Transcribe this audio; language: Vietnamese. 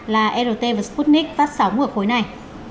là rt và sputnik phát sóng ở khối này